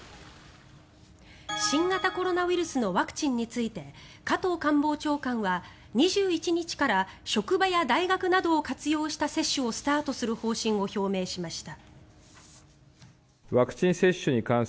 新型コロナウイルスのワクチンについて加藤官房長官は２１日から職場や大学などを活用した接種をスタートする方針を表明しました。